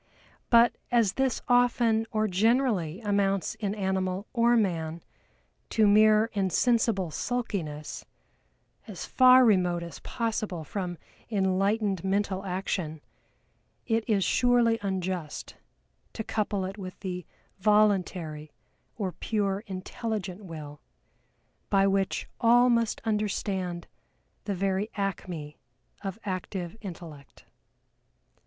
But, as this often or generally amounts in animal or man to mere insensible sulkiness as far remote as possible from enlightened mental action, it is surely unjust to couple it with the Voluntary or pure intelligent Will, by which all must understand the very acme of active Intellect.